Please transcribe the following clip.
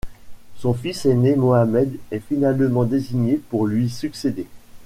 Son fils aîné Mohammed est finalement désigné pour lui succéder.